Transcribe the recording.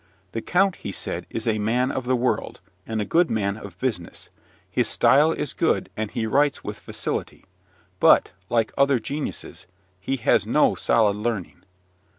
"The count," he said, "is a man of the world, and a good man of business: his style is good, and he writes with facility; but, like other geniuses, he has no solid learning."